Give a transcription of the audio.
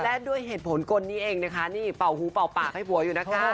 และด้วยเหตุผลกลนี้เองนะคะนี่เป่าหูเป่าปากให้ผัวอยู่นะคะ